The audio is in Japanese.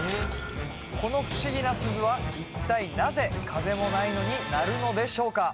この不思議な鈴は一体なぜ風もないのに鳴るのでしょうか